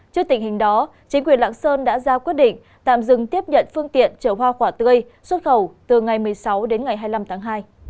trước tình hình đó chính quyền lạng sơn đã ra quyết định tạm dừng tiếp nhận phương tiện chở hoa quả tươi xuất khẩu từ ngày một mươi sáu đến ngày hai mươi năm tháng hai